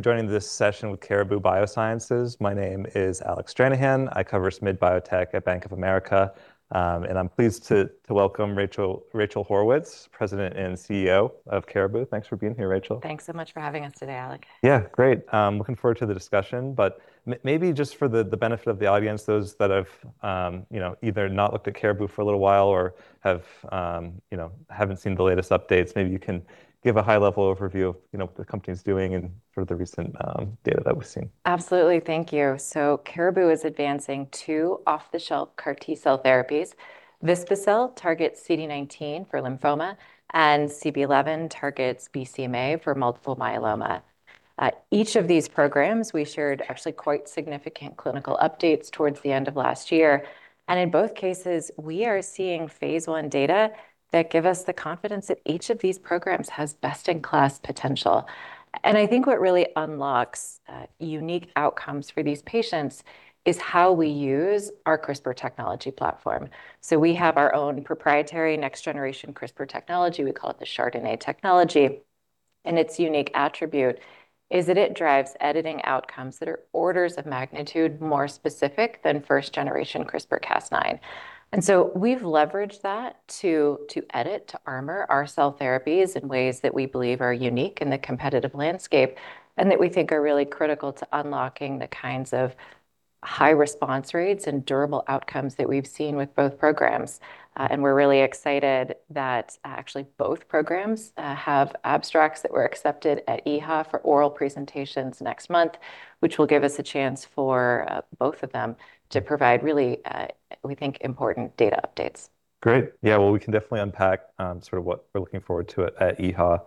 Joining this session with Caribou Biosciences. My name is Alec Stranahan. I cover SMID biotech at Bank of America. I'm pleased to welcome Rachel Haurwitz, President and Chief Executive Officer of Caribou. Thanks for being here, Rachel. Thanks so much for having us today, Alec. Yeah, great. Looking forward to the discussion. Just for the benefit of the audience, those that have either not looked at Caribou for a little while or haven't seen the latest updates, you can give a high level overview of what the company's doing and the recent data that we've seen? Absolutely. Thank you. Caribou is advancing two off-the-shelf CAR-T cell therapies. vispa-cel targets CD19 for lymphoma, CB-011 targets BCMA for multiple myeloma. Each of these programs we shared actually quite significant clinical updates towards the end of last year, in both cases, we are seeing phase I data that give us the confidence that each of these programs has best-in-class potential. What really unlocks unique outcomes for these patients is how we use our CRISPR technology platform. We have our own proprietary next generation CRISPR technology. We call it the chRDNA technology, its unique attribute is that it drives editing outcomes that are orders of magnitude more specific than first generation CRISPR-Cas9. We've leveraged that to edit, to armor our cell therapies in ways that we believe are unique in the competitive landscape and that we think are really critical to unlocking the kinds of high response rates and durable outcomes that we've seen with both programs. We're really excited that actually both programs have abstracts that were accepted at EHA for oral presentations next month, which will give us a chance for both of them to provide really, we think, important data updates. Great. We can definitely unpack what we're looking forward to at EHA.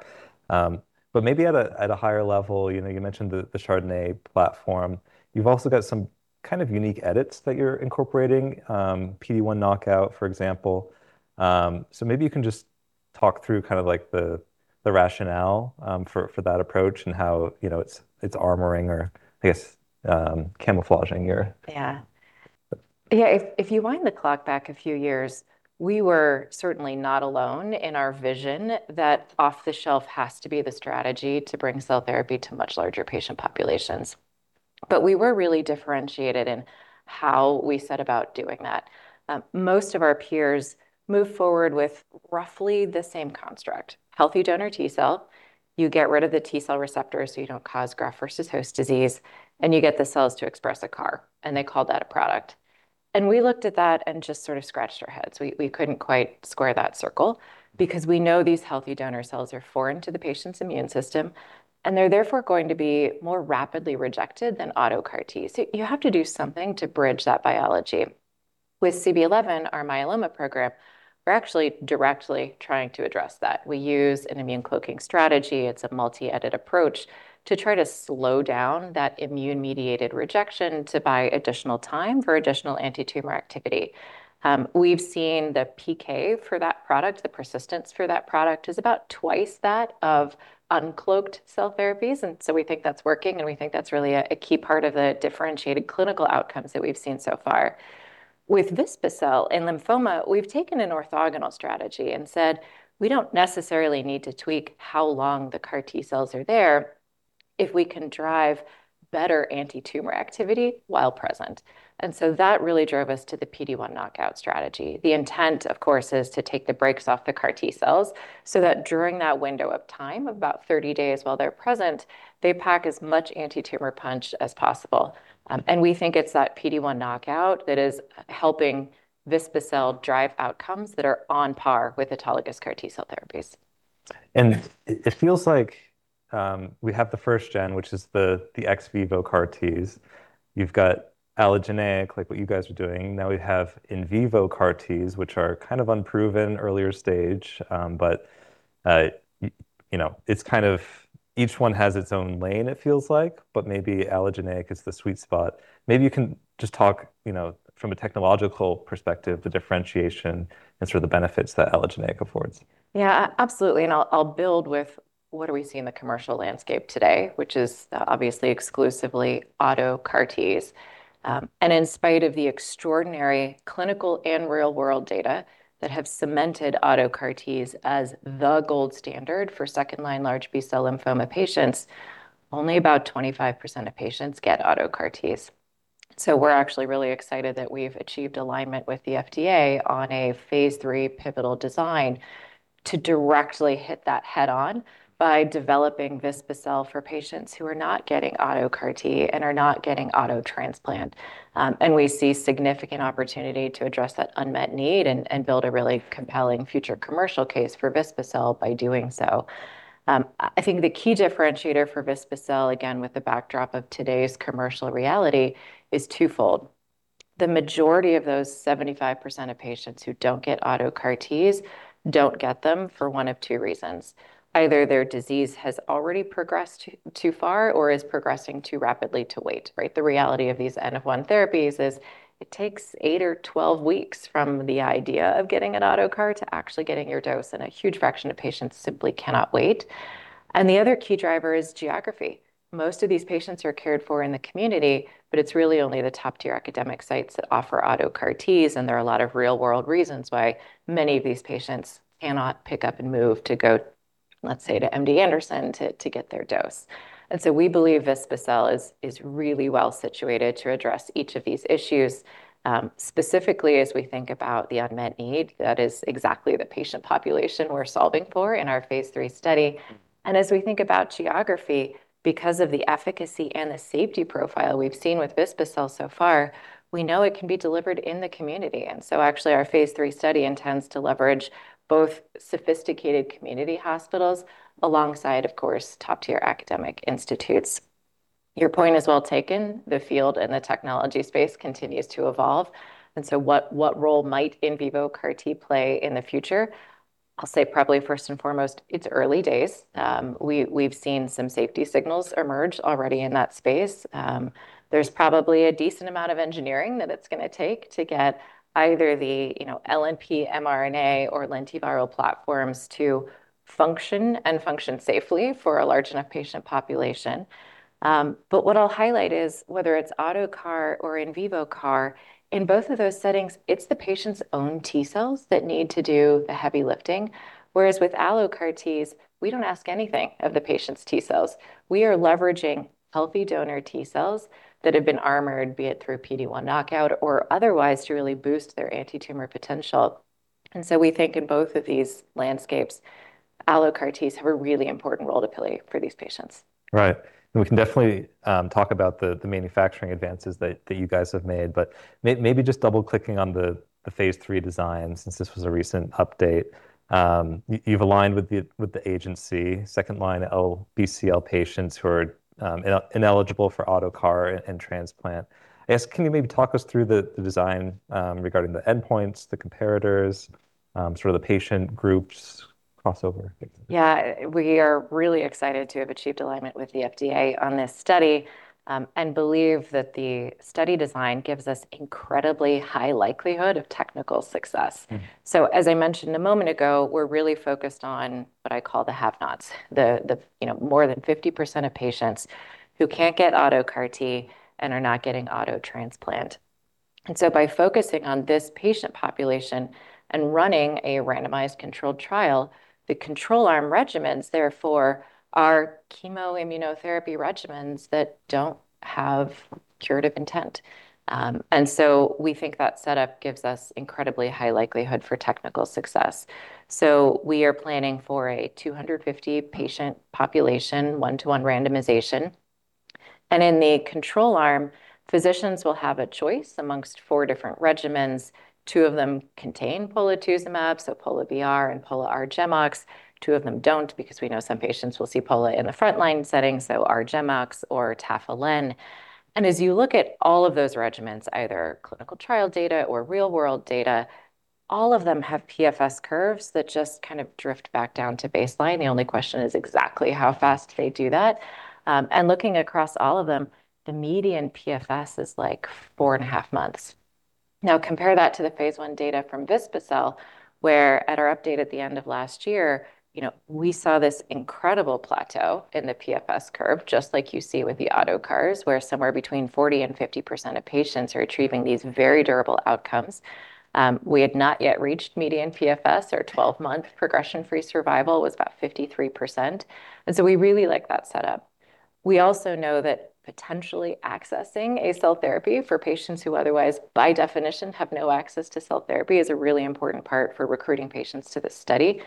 At a higher level, you mentioned the chRDNA platform. You've also got some kind of unique edits that you're incorporating, PD-1 knockout, for example. You can just talk through kind of like the rationale for that approach and how it's armoring or I guess camouflaging. Yeah, if you wind the clock back a few years, we were certainly not alone in our vision that off the shelf has to be the strategy to bring cell therapy to much larger patient populations. We were really differentiated in how we set about doing that. Most of our peers moved forward with roughly the same construct, healthy donor T-cell. You get rid of the T-cell receptor so you don't cause graft versus host disease, and you get the cells to express a CAR, and they call that a product. We looked at that and just scratched our heads. We couldn't quite square that circle because we know these healthy donor cells are foreign to the patient's immune system, and they're therefore going to be more rapidly rejected than auto CAR T. You have to do something to bridge that biology. With CB-011, our myeloma program, we're actually directly trying to address that. We use an immune cloaking strategy. It's a multi-edit approach to try to slow down that immune mediated rejection to buy additional time for additional anti-tumor activity. We've seen the PK for that product, the persistence for that product is about twice that of uncloaked cell therapies, we think that's working, and we think that's really a key part of the differentiated clinical outcomes that we've seen so far. With vispa-cel in lymphoma, we've taken an orthogonal strategy and said, "We don't necessarily need to tweak how long the CAR T cells are there if we can drive better anti-tumor activity while present." That really drove us to the PD-1 knockout strategy. The intent, of course, is to take the brakes off the CAR T-cells so that during that window of time, about 30 days while they're present, they pack as much anti-tumor punch as possible. We think it's that PD-1 knockout that is helping vispa-cel drive outcomes that are on par with autologous CAR T-cell therapies. It feels like we have the first gen, which is the ex vivo CAR Ts. You've got allogeneic, like what you guys are doing. Now we have in vivo CAR Ts, which are kind of unproven, earlier stage. It's kind of each one has its own lane it feels like, but allogeneic is the sweet spot. You can just talk from a technological perspective, the differentiation and the benefits that allogeneic affords. Yeah. Absolutely, I'll build with what do we see in the commercial landscape today, which is obviously exclusively auto CAR Ts. In spite of the extraordinary clinical and real world data that have cemented auto CAR Ts as the gold standard for second line large B-cell lymphoma patients, only about 25% of patients get auto CAR Ts. We're actually really excited that we've achieved alignment with the FDA on a phase III pivotal design to directly hit that head on by developing vispa-cel for patients who are not getting auto CAR T and are not getting auto transplant. We see significant opportunity to address that unmet need and build a really compelling future commercial case for vispa-cel by doing so. The key differentiator for vispa-cel, again, with the backdrop of today's commercial reality, is twofold. The majority of those 75% of patients who don't get auto CAR Ts don't get them for one of two reasons. Either their disease has already progressed too far or is progressing too rapidly to wait, right? The reality of these N-of-1 therapies is it takes 8 or 12 weeks from the idea of getting an auto CAR to actually getting your dose, and a huge fraction of patients simply cannot wait. The other key driver is geography. Most of these patients are cared for in the community, but it's really only the top-tier academic sites that offer auto CAR Ts, and there are a lot of real world reasons why many of these patients cannot pick up and move to go, let's say, to MD Anderson to get their dose. We believe vispa-cel is really well situated to address each of these issues, specifically as we think about the unmet need, that is exactly the patient population we're solving for in our phase III study. As we think about geography, because of the efficacy and the safety profile we've seen with vispa-cel so far, we know it can be delivered in the community. Actually our phase III study intends to leverage both sophisticated community hospitals alongside, of course, top-tier academic institutes. Your point is well taken. The field and the technology space continues to evolve, what role might in vivo CAR T play in the future? I'll say probably first and foremost, it's early days. We've seen some safety signals emerge already in that space. There's probably a decent amount of engineering that it's gonna take to get either the LNP, mRNA or lentiviral platforms to function and function safely for a large enough patient population. What I'll highlight is whether it's auto CAR or in vivo CAR, in both of those settings, it's the patient's own T cells that need to do the heavy lifting. Whereas with allo CAR Ts, we don't ask anything of the patient's T cells. We are leveraging healthy donor T cells that have been armored, be it through PD-1 knockout or otherwise to really boost their anti-tumor potential. We think in both of these landscapes, allo CAR Ts have a really important role to play for these patients. Right. We can definitely talk about the manufacturing advances that you guys have made, but just double-clicking on the phase III design since this was a recent update. You've aligned with the FDA, 2nd line LBCL patients who are ineligible for auto CAR T and transplant. I guess, can you talk us through the design regarding the endpoints, the comparators, the patient groups crossover, et cetera? Yeah. We are really excited to have achieved alignment with the FDA on this study, and believe that the study design gives us incredibly high likelihood of technical success. As I mentioned a moment ago, we're really focused on what I call the have-nots, the more than 50% of patients who can't get auto CAR T and are not getting auto transplant. By focusing on this patient population and running a randomized controlled trial, the control arm regimens therefore are chemo immunotherapy regimens that don't have curative intent. We think that setup gives us incredibly high likelihood for technical success. We are planning for a 250 patient population, 1-to-1 randomization. In the control arm, physicians will have a choice amongst four different regimens. Two of them contain polatuzumab, Pola-BR and Pola-R-GemOx. Two of them don't because we know some patients will see pola in the frontline setting, R-GemOx or tafasitamab. As you look at all of those regimens, either clinical trial data or real-world data, all of them have PFS curves that just kind of drift back down to baseline. The only question is exactly how fast they do that. Looking across all of them, the median PFS is like 4.5 months. Now compare that to the phase I data from vispa-cel, where at our update at the end of last year, we saw this incredible plateau in the PFS curve, just like you see with the auto CAR T, where somewhere between 40% and 50% of patients are achieving these very durable outcomes. We had not yet reached median PFS or 12-month progression-free survival was about 53%. We really like that setup. We also know that potentially accessing a cell therapy for patients who otherwise by definition have no access to cell therapy is a really important part for recruiting patients to this study.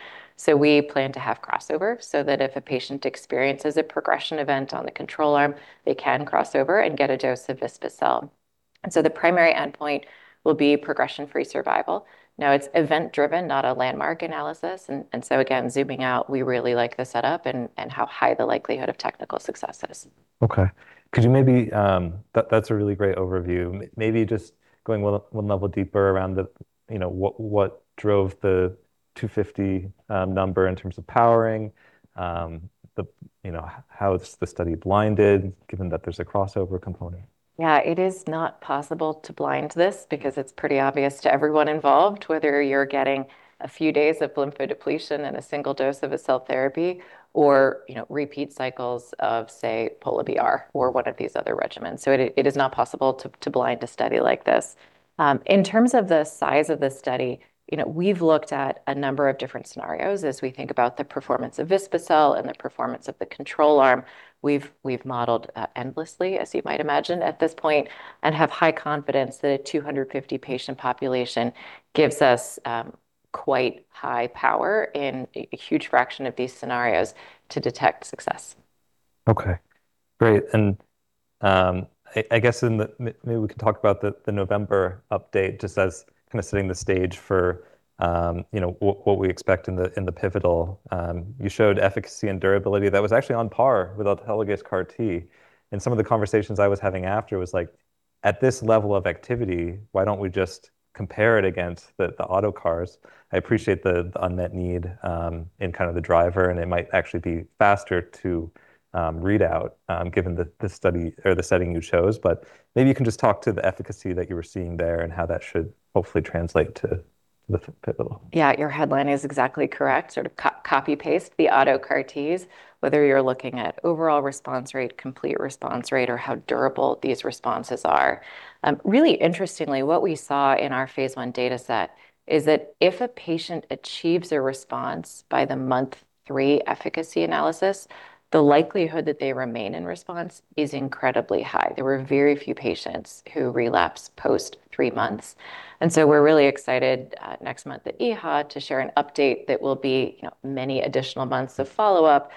We plan to have crossover so that if a patient experiences a progression event on the control arm, they can cross over and get a dose of Vispa-cel. The primary endpoint will be progression-free survival. Now it's event-driven, not a landmark analysis, again, zooming out, we really like the setup and how high the likelihood of technical success is. Okay. That's a really great overview. Could you just going one level deeper around, what drove the 250 number in terms of powering, how is the study blinded given that there's a crossover component? Yeah. It is not possible to blind this because it's pretty obvious to everyone involved whether you're getting a few days of lymphodepletion and a single dose of a cell therapy or repeat cycles of, say, Pola-BR or one of these other regimens. It is not possible to blind a study like this. In terms of the size of the study, we've looked at a number of different scenarios as we think about the performance of vispa-cel and the performance of the control arm. We've modeled endlessly, as you might imagine at this point, and have high confidence that a 250 patient population gives us quite high power in a huge fraction of these scenarios to detect success. Okay. Great. We can talk about the November update just as kind of setting the stage for what we expect in the pivotal. You showed efficacy and durability that was actually on par with autologous CAR T. Some of the conversations I was having after was like, at this level of activity, why don't we just compare it against the auto CARs? I appreciate the unmet need in kind of the driver, and it might actually be faster to read out given the study or the setting you chose. You can just talk to the efficacy that you were seeing there and how that should hopefully translate to the pivotal. Yeah. Your headline is exactly correct, copy paste the auto CAR Ts, whether you're looking at overall response rate, complete response rate, or how durable these responses are. Really interestingly, what we saw in our phase I data set is that if a patient achieves a response by the month 3 efficacy analysis, the likelihood that they remain in response is incredibly high. There were very few patients who relapsed post three months, we're really excited next month at EHA to share an update that will be many additional months of follow-up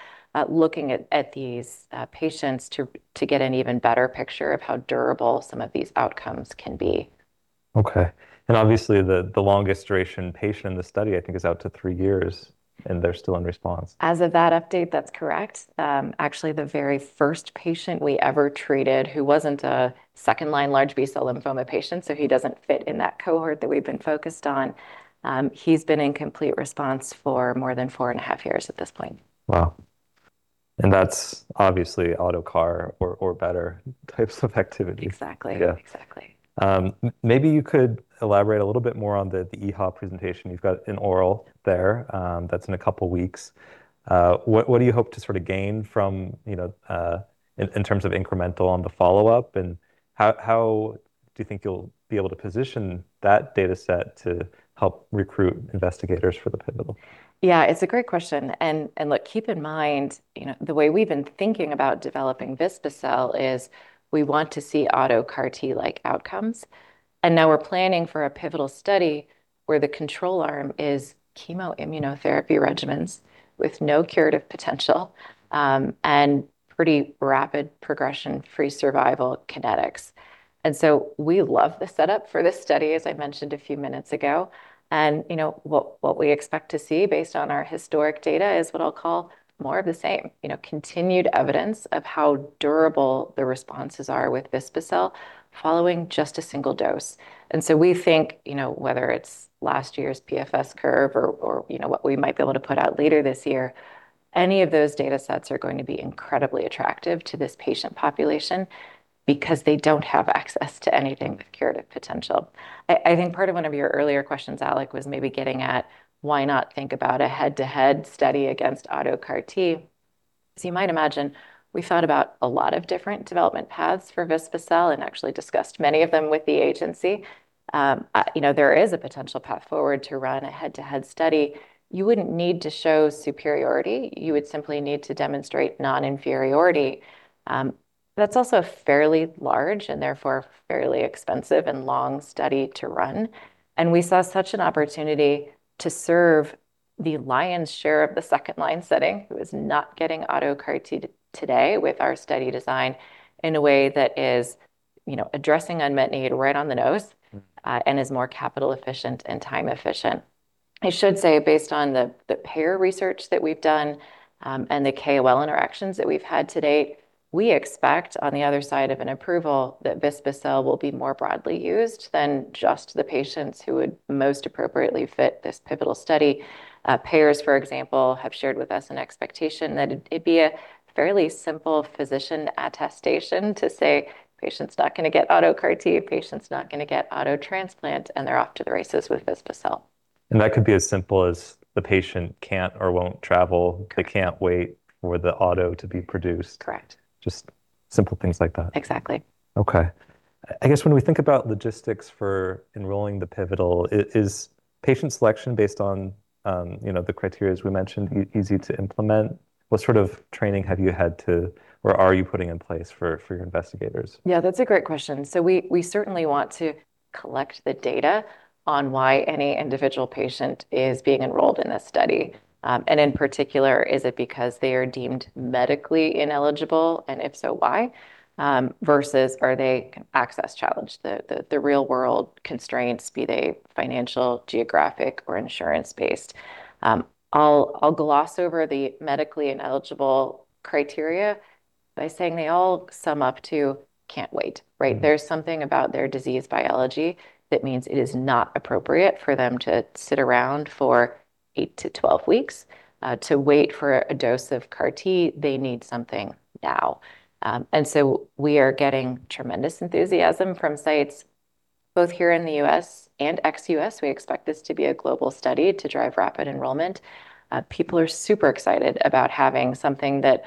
looking at these patients to get an even better picture of how durable some of these outcomes can be. Okay. Obviously, the longest duration patient in the study, is out to three years, and they're still in response. As of that update, that's correct. Actually, the very first patient we ever treated who wasn't a second-line large B-cell lymphoma patient, so he doesn't fit in that cohort that we've been focused on, he's been in complete response for more than four and a half years at this point. Wow. That's obviously auto CAR or better types of activity. Exactly. Yeah. You could elaborate a little bit more on the EHA presentation. You've got an oral there, that's in two weeks. What do you hope to gain from, in terms of incremental on the follow-up? How do you think you'll be able to position that data set to help recruit investigators for the pivotal? Yeah, it's a great question, look, keep in mind, the way we've been thinking about developing vispa-cel is we want to see auto CAR T like outcomes, now we're planning for a pivotal study where the control arm is chemo immunotherapy regimens with no curative potential, pretty rapid progression-free survival kinetics. We love the setup for this study, as I mentioned a few minutes ago, what we expect to see based on our historic data is what I'll call more of the same. Continued evidence of how durable the responses are with vispa-cel following just a single dose. We think, whether it's last year's PFS curve or what we might be able to put out later this year, any of those data sets are going to be incredibly attractive to this patient population because they don't have access to anything with curative potential. Part of one of your earlier questions, Alec, was getting at why not think about a head-to-head study against auto CAR T. As you might imagine, we thought about a lot of different development paths for vispa-cel and actually discussed many of them with the agency. There is a potential path forward to run a head-to-head study. You wouldn't need to show superiority, you would simply need to demonstrate non-inferiority. That's also fairly large and therefore fairly expensive and long study to run, and we saw such an opportunity to serve the lion's share of the second line setting, who is not getting auto CAR T today with our study design, in a way that is addressing unmet need right on the nose. Is more capital efficient and time efficient. I should say based on the payer research that we've done, and the KOL interactions that we've had to date, we expect on the other side of an approval that vispa-cel will be more broadly used than just the patients who would most appropriately fit this pivotal study. Payers, for example, have shared with us an expectation that it'd be a fairly simple physician attestation to say patient's not gonna get auto CAR T, patient's not gonna get auto transplant, and they're off to the races with vispa-cel. That could be as simple as the patient can't or won't travel. They can't wait for the auto to be produced. Just simple things like that. Exactly. When we think about logistics for enrolling the pivotal, is patient selection based on the criterias we mentioned easy to implement? What training have you had to or are you putting in place for your investigators? Yeah, that's a great question. We certainly want to collect the data on why any individual patient is being enrolled in this study. In particular, is it because they are deemed medically ineligible? If so, why? Versus are they access challenged? The real world constraints, be they financial, geographic, or insurance-based. I'll gloss over the medically ineligible criteria by saying they all sum up to can't wait, right? There's something about their disease biology that means it is not appropriate for them to sit around for 8 to 12 weeks to wait for a dose of CAR T. They need something now. We are getting tremendous enthusiasm from sites both here in the U.S. and ex-U.S. We expect this to be a global study to drive rapid enrollment. People are super excited about having something that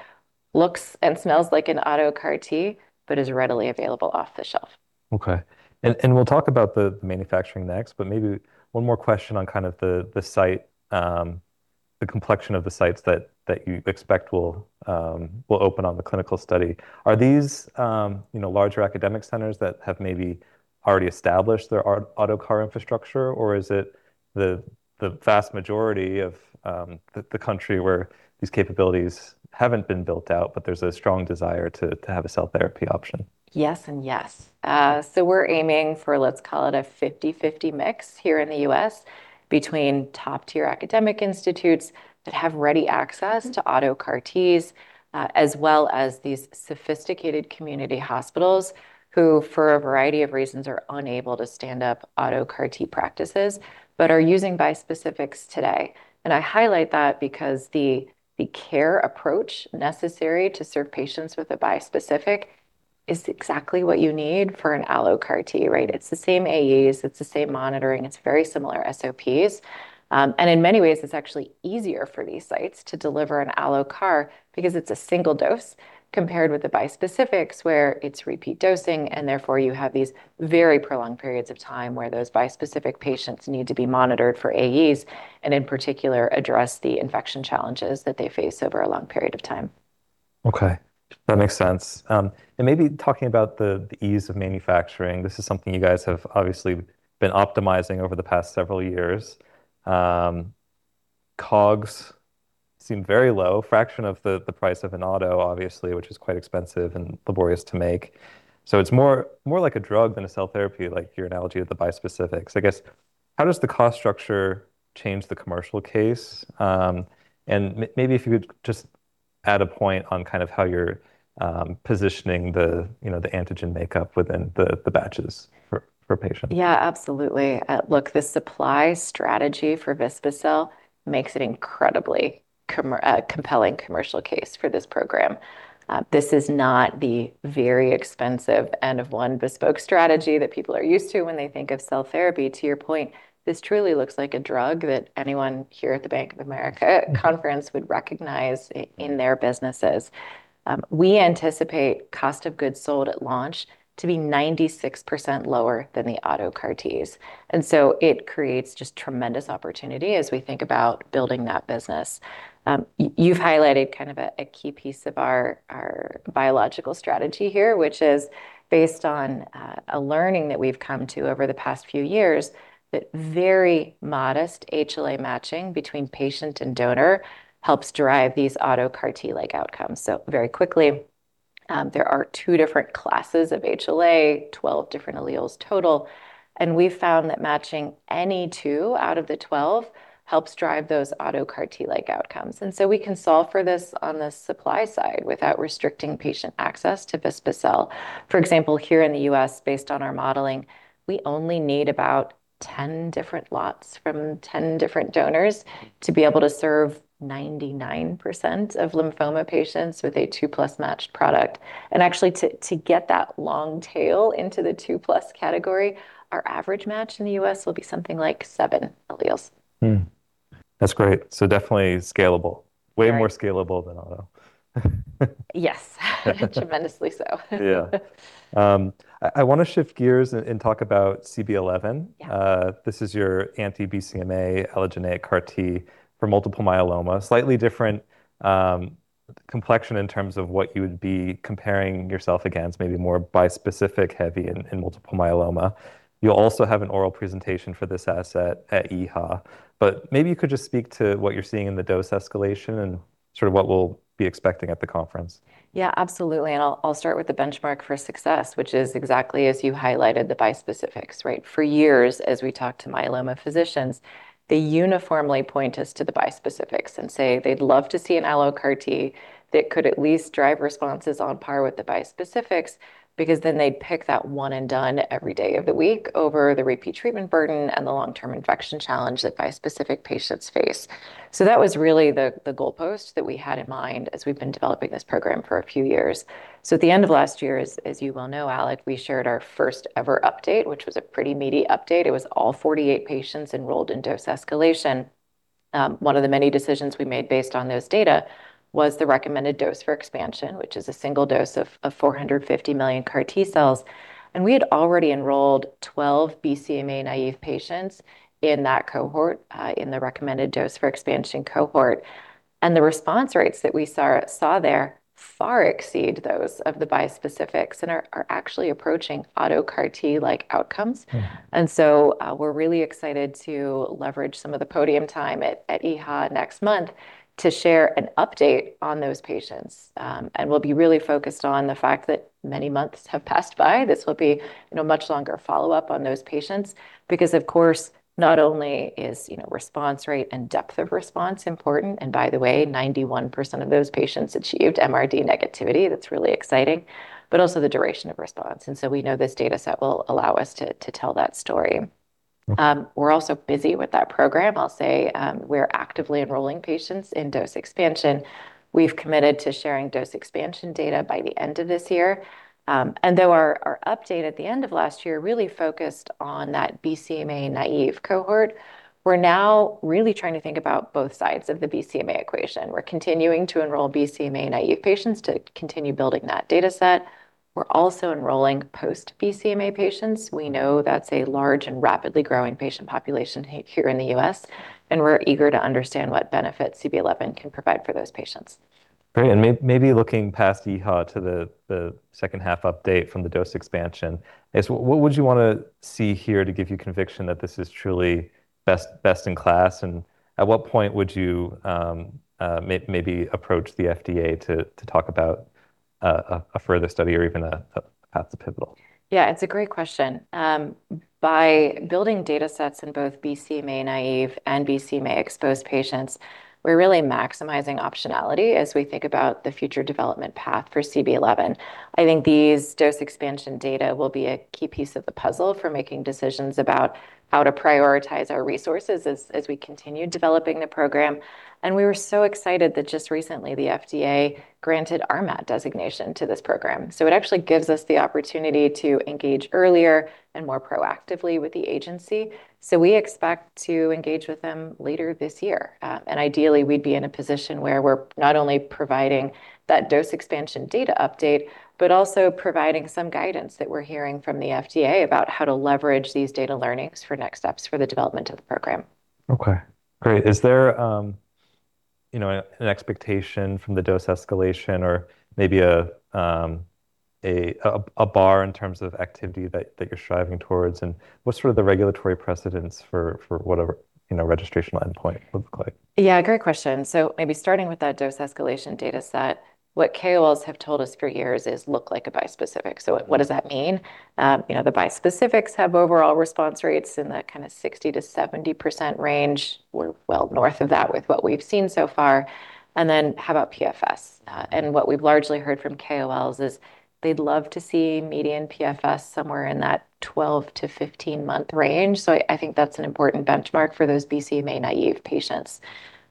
looks and smells like an auto CAR T, is readily available off the shelf. Okay. We'll talk about the manufacturing next, but one more question on kind of the site, the complexion of the sites that you expect will open on the clinical study. Are these larger academic centers that have already established their auto CAR infrastructure, or is it the vast majority of the country where these capabilities haven't been built out, but there's a strong desire to have a cell therapy option? Yes and yes. We're aiming for, let's call it a 50/50 mix here in the U.S. between top-tier academic institutes that have ready access to auto CAR Ts, as well as these sophisticated community hospitals who, for a variety of reasons, are unable to stand up auto CAR T practices but are using bispecifics today. I highlight that because the care approach necessary to serve patients with a bispecific is exactly what you need for an allo CAR T, right? It's the same AEs, it's the same monitoring, it's very similar SOPs. In many ways, it's actually easier for these sites to deliver an allo CAR because it's a single dose compared with the bispecifics where it's repeat dosing, and therefore you have these very prolonged periods of time where those bispecific patients need to be monitored for AEs, and in particular address the infection challenges that they face over a long period of time. Okay. That makes sense. Talking about the ease of manufacturing, this is something you guys have obviously been optimizing over the past several years. COGS seem very low, fraction of the price of an auto obviously, which is quite expensive and laborious to make. It's more like a drug than a cell therapy, like your analogy of the bispecifics. I guess, how does the cost structure change the commercial case? If you could just add a point on kind of how you're positioning the antigen makeup within the batches for patients. Yeah, absolutely. Look, the supply strategy for Vispa-cel makes an incredibly compelling commercial case for this program. This is not the very expensive N-of-1 bespoke strategy that people are used to when they think of cell therapy. To your point, this truly looks like a drug that anyone here at the Bank of America Conference would recognize in their businesses. We anticipate cost of goods sold at launch to be 96% lower than the auto CAR T's. It creates just tremendous opportunity as we think about building that business. You've highlighted kind of a key piece of our biological strategy here, which is based on a learning that we've come to over the past few years, that very modest HLA matching between patient and donor helps drive these auto CAR T-like outcomes. Very quickly, there are two different classes of HLA, 12 different alleles total, and we found that matching any two out of the 12 helps drive those auto CAR T-like outcomes. We can solve for this on the supply side without restricting patient access to Vispa-cel. For example, here in the U.S., based on our modeling, we only need about 10 different lots from 10 different donors to be able to serve 99% of lymphoma patients with a two-plus matched product. Actually to get that long tail into the 2-plus category, our average match in the U.S. will be something like seven alleles. That's great. Definitely scalable. Right. Way more scalable than auto. Yes. Tremendously so. Yeah. I wanna shift gears and talk about CB-011. This is your anti-BCMA allogeneic CAR T for multiple myeloma. Slightly different, complexion in terms of what you would be comparing yourself against more bispecific heavy in multiple myeloma. You'll also have an oral presentation for this asset at EHA, but you could just speak to what you're seeing in the dose escalation and what we'll be expecting at the conference. Yeah, absolutely. I'll start with the benchmark for success, which is exactly as you highlighted the bispecifics, right? For years, as we talked to myeloma physicians, they uniformly point us to the bispecifics and say they'd love to see an allo CAR T that could at least drive responses on par with the bispecifics because then they'd pick that one and done every day of the week over the repeat treatment burden and the long-term infection challenge that bispecific patients face. That was really the goalpost that we had in mind as we've been developing this program for a few years. At the end of last year, as you well know, Alec, we shared our first ever update, which was a pretty meaty update. It was all 48 patients enrolled in dose escalation. One of the many decisions we made based on those data was the recommended dose for expansion, which is a single dose of 450 million CAR T cells. We had already enrolled 12 BCMA naive patients in that cohort, in the recommended dose for expansion cohort. The response rates that we saw there far exceed those of the bispecifics and are actually approaching auto CAR T-like outcomes. We're really excited to leverage some of the podium time at EHA next month to share an update on those patients. We'll be really focused on the fact that many months have passed by. This will be much longer follow-up on those patients because, of course, not only is response rate and depth of response important, and by the way, 91% of those patients achieved MRD negativity, that's really exciting, but also the duration of response. We know this data set will allow us to tell that story. We're also busy with that program. I'll say, we're actively enrolling patients in dose expansion. We've committed to sharing dose expansion data by the end of this year. Though our update at the end of last year really focused on that BCMA naive cohort, we're now really trying to think about both sides of the BCMA equation. We're continuing to enroll BCMA naive patients to continue building that data set. We're also enrolling post-BCMA patients. We know that's a large and rapidly growing patient population here in the U.S., and we're eager to understand what benefit CB-011 can provide for those patients. Great. Looking past EHA to the second half update from the dose expansion, I guess what would you want to see here to give you conviction that this is truly best in class? At what point would you approach the FDA to talk about a further study or even a path to pivotal? Yeah, it's a great question. By building data sets in both BCMA naive and BCMA exposed patients, we're really maximizing optionality as we think about the future development path for CB-011. These dose expansion data will be a key piece of the puzzle for making decisions about how to prioritize our resources as we continue developing the program. We were so excited that just recently the FDA granted RMAT designation to this program. It actually gives us the opportunity to engage earlier and more proactively with the agency. We expect to engage with them later this year. Ideally we'd be in a position where we're not only providing that dose expansion data update, but also providing some guidance that we're hearing from the FDA about how to leverage these data learnings for next steps for the development of the program. Okay. Great. Is there an expectation from the dose escalation or a bar in terms of activity that you're striving towards, and what's the regulatory precedence for whatever registration endpoint would look like? Yeah, great question. Starting with that dose escalation data set, what KOLs have told us for years is look like a bispecific. What does that mean? The bispecifics have overall response rates in the kind of 60%-70% range. We're well north of that with what we've seen so far. How about PFS? What we've largely heard from KOLs is they'd love to see median PFS somewhere in that 12-15 month range. That's an important benchmark for those BCMA naive patients.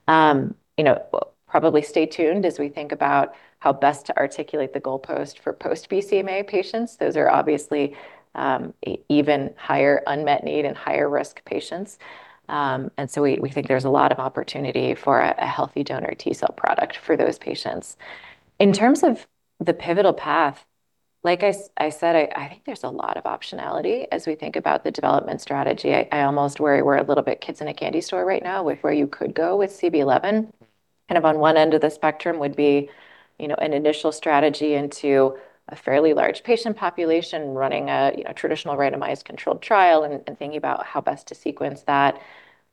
Probably stay tuned as we think about how best to articulate the goalpost for post BCMA patients. Those are obviously, even higher unmet need and higher risk patients. We think there's a lot of opportunity for a healthy donor T cell product for those patients. In terms of the pivotal path, like I said, there's a lot of optionality as we think about the development strategy. I almost worry we're a little bit kids in a candy store right now with where you could go with CB-011. Kind of on one end of the spectrum would be an initial strategy into a fairly large patient population running a traditional randomized controlled trial and thinking about how best to sequence that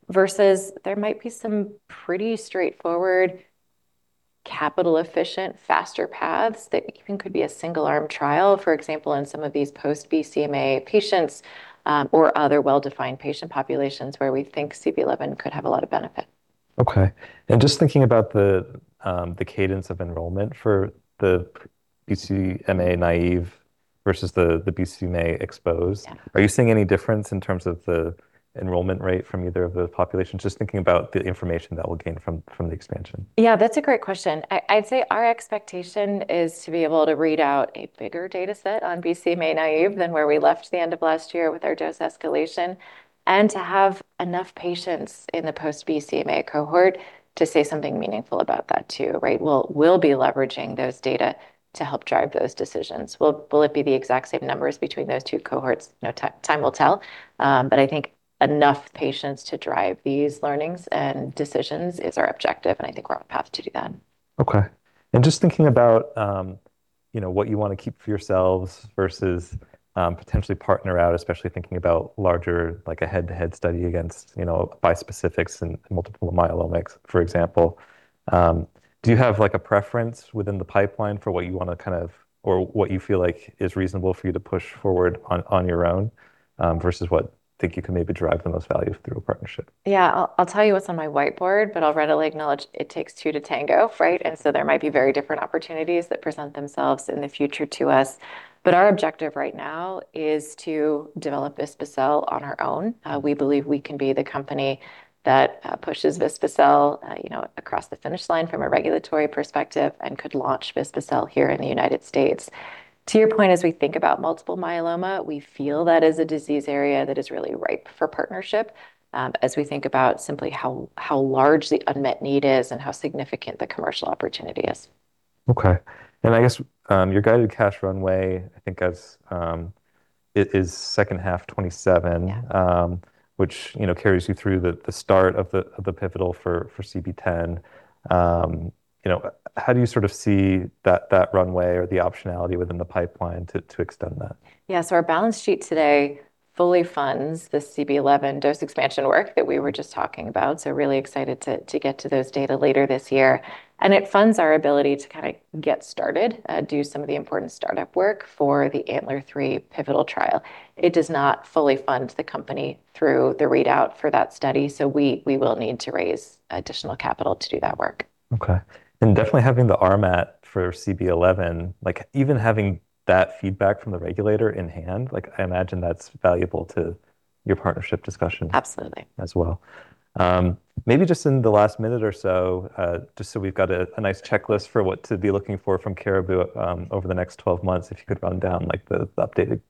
versus there might be some pretty straightforward capital efficient faster paths that even could be a single arm trial. For example, in some of these post BCMA patients, or other well-defined patient populations where we think CB-011 could have a lot of benefit. Okay. Just thinking about the cadence of enrollment for the BCMA naive versus the BCMA exposed. Are you seeing any difference in terms of the enrollment rate from either of the populations? Just thinking about the information that we'll gain from the expansion. Yeah, that's a great question. I'd say our expectation is to be able to read out a bigger data set on BCMA naive than where we left the end of last year with our dose escalation, and to have enough patients in the post BCMA cohort to say something meaningful about that too, right? We'll be leveraging those data to help drive those decisions. Will it be the exact same numbers between those two cohorts? Time will tell. Enough patients to drive these learnings and decisions is our objective, and we're on path to do that. Okay. Just thinking about what you want to keep for yourselves versus potentially partner out, especially thinking about larger like a head-to-head study against bispecifics and multiple myeloma, for example. Do you have like a preference within the pipeline for what you want to kind of or what you feel like is reasonable for you to push forward on your own versus what think you can drive the most value through a partnership? Yeah. I'll tell you what's on my whiteboard, I'll readily acknowledge it takes two to tango, right? There might be very different opportunities that present themselves in the future to us. Our objective right now is to develop vispa-cel on our own. We believe we can be the company that pushes vispa-cel across the finish line from a regulatory perspective and could launch vispa-cel here in the U.S. To your point, as we think about multiple myeloma, we feel that is a disease area that is really ripe for partnership, as we think about simply how large the unmet need is and how significant the commercial opportunity is. Okay. Your guided cash runway, it is second half 2027. Which carries you through the start of the, of the pivotal for CB-010. How do you see that runway or the optionality within the pipeline to extend that? Yeah. Our balance sheet today fully funds the CB-011 dose expansion work that we were just talking about, really excited to get to those data later this year. It funds our ability to kind of get started, do some of the important startup work for the ANTLER phase III pivotal trial. It does not fully fund the company through the readout for that study, we will need to raise additional capital to do that work. Okay. Definitely having the RMAT for CB-011, like even having that feedback from the regulator in hand, like I imagine that's valuable to your partnership discussion. Absolutely. As well. Just in the last minute or so, just so we've got a nice checklist for what to be looking for from Caribou, over the next 12 months, if you could run down like the updated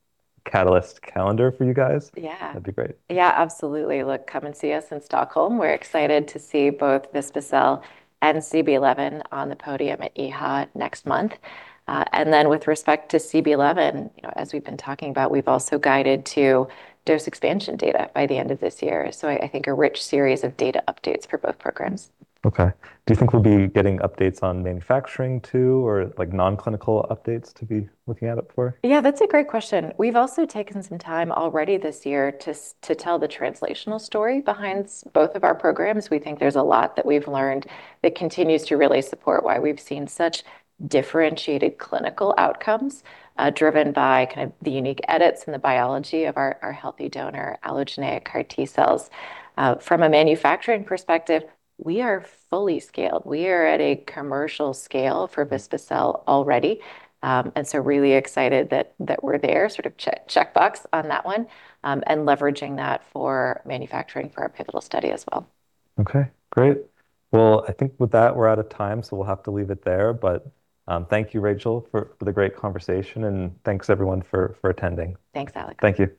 catalyst calendar for you guys. Yeah. That'd be great. Yeah, absolutely. Look, come and see us in Stockholm. We're excited to see both vispa-cel and CB-011 on the podium at EHA next month. With respect to CB-011, as we've been talking about, we've also guided to dose expansion data by the end of this year. A rich series of data updates for both programs. Okay. Do you think we'll be getting updates on manufacturing too or like non-clinical updates to be looking out for? Yeah, that's a great question. We've also taken some time already this year to tell the translational story behind both of our programs. We think there's a lot that we've learned that continues to really support why we've seen such differentiated clinical outcomes, driven by kind of the unique edits and the biology of our healthy donor allogeneic CAR T cells. From a manufacturing perspective, we are fully scaled. We are at a commercial scale for vispa-cel already. Really excited that we're there, checkbox on that one, and leveraging that for manufacturing for our pivotal study as well. Okay, great. With that, we're out of time, so we'll have to leave it there. Thank you, Rachel, for the great conversation, and thanks everyone for attending. Thanks, Alec. Thank you.